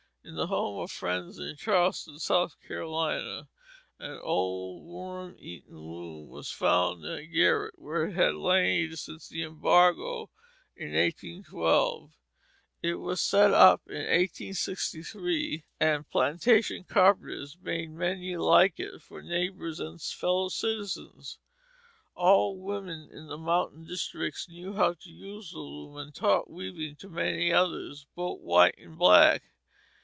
In the home of a friend in Charleston, South Carolina, an old, worm eaten loom was found in a garret where it had lain since the embargo in 1812. It was set up in 1863, and plantation carpenters made many like it for neighbors and fellow citizens. All women in the mountain districts knew how to use the loom, and taught weaving to many others, both white and black.